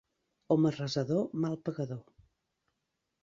Home resador, mal pagador.